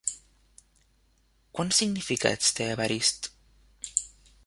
Quants significats té Evarist?